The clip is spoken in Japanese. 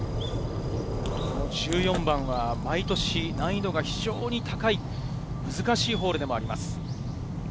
１４番は毎年、難易度が非常に高い難しいホールでもあります。